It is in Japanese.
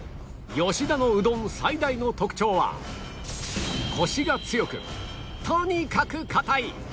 吉田のうどん最大の特徴はコシが強くとにかく硬いカッチカチの麺